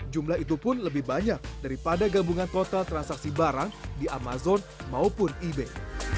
jumlah itu pun lebih banyak daripada gabungan total transaksi barang di amazon maupun ebek